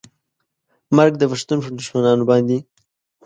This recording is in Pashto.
مرګ د پښتون پر دښمنانو باندې